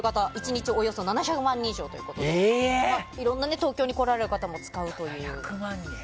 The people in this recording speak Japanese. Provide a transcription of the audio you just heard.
１日およそ７００万人以上ということで東京に来られる方も使うという。